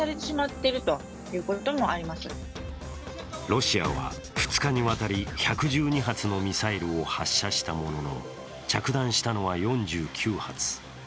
ロシアは２日にわたり１１２発のミサイルを発射したものの着弾したのは４９発。